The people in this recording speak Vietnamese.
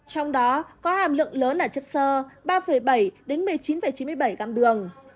trong đó có hàm lượng lớn là chất xơ ba bảy một mươi chín chín mươi bảy g đường